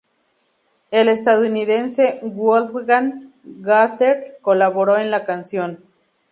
El estadounidense Wolfgang Gartner colaboro en la canción.